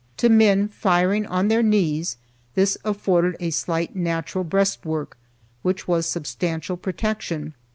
To men firing on their knees this afforded a slight natural breast work, which was substantial protection.